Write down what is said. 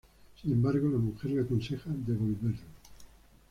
Sin embargo, la mujer le aconseja devolverlo.